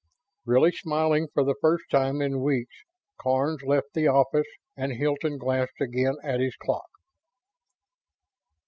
Really smiling for the first time in weeks, Karns left the office and Hilton glanced again at his clock.